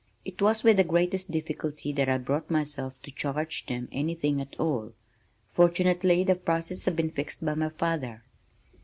It was with the greatest difficulty that I brought myself to charge them anything at all. Fortunately the prices had been fixed by my father.